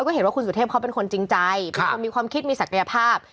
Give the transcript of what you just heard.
ก็เห็นว่าคุณสุเทพเขาเป็นคนจริงใจเป็นคนมีความคิดมีศักยภาพ